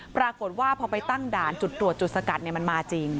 ปรากฏว่าพอไปตั้งด่านจุดตรวจจุดสกัดมันมาจริง